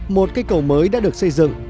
một cái cầu mới đã được xây dựng